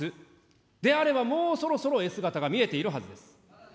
であればもうそろそろ絵姿が見えているはずです。